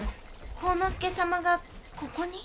晃之助様がここに？